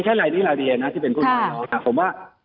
เชิญค่ะ